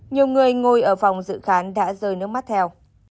nhiều người ngồi ở phòng dự khán đã rời nước mắt theo